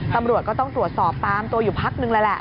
ตำรวจก็ต้องตรวจสอบตามตัวอยู่พักนึงแล้วแหละ